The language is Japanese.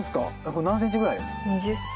これ何センチぐらい？